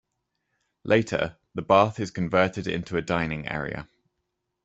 Later, the bath is converted into a dining area.